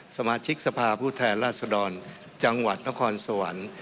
สมาชิกสภาพผู้แทนราชดรจังหวัดนครสวรรค์